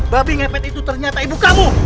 babi ngepet itu ternyata ibu kamu